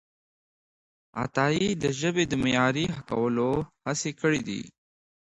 عطایي د ژبې د معیاري کولو هڅې کړیدي.